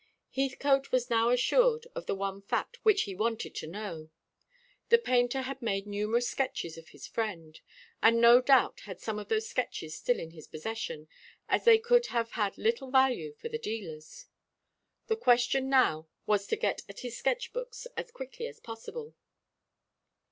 Heathcote was now assured of the one fact which he wanted to know. The painter had made numerous sketches of his friend, and no doubt had some of those sketches still in his possession, as they could have had little value for the dealers. The question now was to get at his sketch books as quickly as possible.